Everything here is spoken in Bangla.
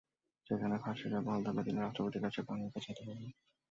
সেখানে ফাঁসির রায় বহাল থাকলে তিনি রাষ্ট্রপতির কাছে প্রাণভিক্ষা চাইতে পারবেন।